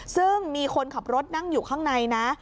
ซึ่งมีคนขับรถนั่งอยู่ข้างในนะ